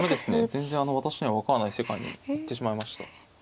全然私には分からない世界に行ってしまいました。